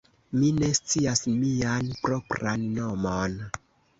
mi ne scias mian propran nomon.